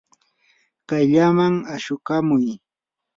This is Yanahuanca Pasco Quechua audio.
kayllaman ashukamuy.